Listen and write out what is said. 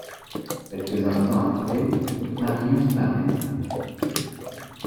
Quelques instants après, Marius parut.